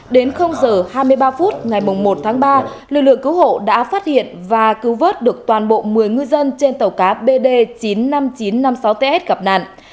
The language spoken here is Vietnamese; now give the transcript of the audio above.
đến h hai mươi ba phút ngày một tháng ba lực lượng cứu hộ đã phát hiện và cứu vớt được toàn bộ một mươi ngư dân trên tàu cá bd chín mươi năm nghìn chín trăm năm mươi sáu ts gặp nạn